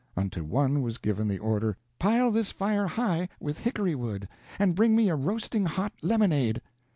Unto one was given the order, "Pile this fire high, with hickory wood, and bring me a roasting hot lemonade."